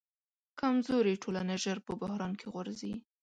کمزورې ټولنه ژر په بحران کې غورځي.